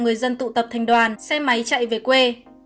người dân tụ tập thành đoàn xe máy chạy về quê